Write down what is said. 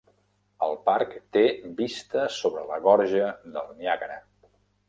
El parc té vista sobre la gorja del Niàgara.